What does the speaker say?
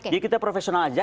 jadi kita profesional aja